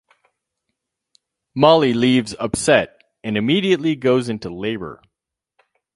Mollie leaves upset, and immediately goes into labor.